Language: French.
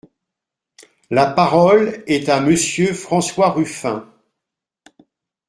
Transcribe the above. La parole est à Monsieur François Ruffin.